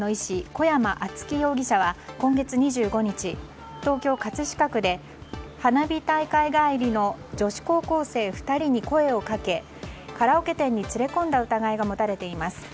小山忠宣容疑者は今月２５日、東京・葛飾区で花火大会帰りの女子高校生２人に声をかけ、カラオケ店に連れ込んだ疑いが持たれています。